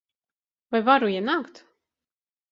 Vai varu ienākt?